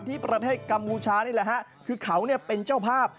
ที่ประเทศกัมพูชานี่แหละฮะคือเขาเป็นเจ้าภาพ